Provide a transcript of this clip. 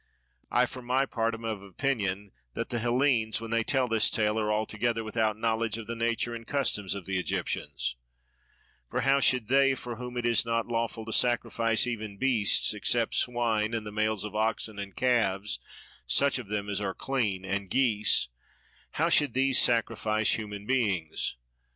I for my part am of opinion that the Hellenes when they tell this tale are altogether without knowledge of the nature and customs of the Egyptians; for how should they for whom it is not lawful to sacrifice even beasts, except swine and the males of oxen and calves (such of them as are clean) and geese, how should these sacrifice human beings?